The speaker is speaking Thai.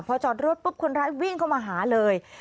พอจอดรถปุ๊บคนร้ายวิ่งเข้ามาหาเลย